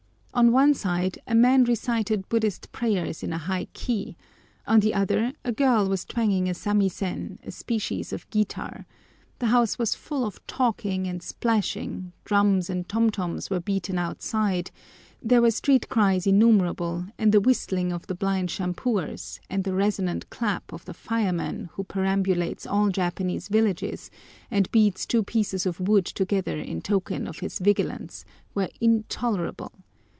On one side a man recited Buddhist prayers in a high key; on the other a girl was twanging a samisen, a species of guitar; the house was full of talking and splashing, drums and tom toms were beaten outside; there were street cries innumerable, and the whistling of the blind shampooers, and the resonant clap of the fire watchman who perambulates all Japanese villages, and beats two pieces of wood together in token of his vigilance, were intolerable.